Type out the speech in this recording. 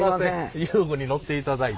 遊具に乗っていただいて。